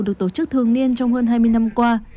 được tổ chức thường niên trong hơn hai mươi năm qua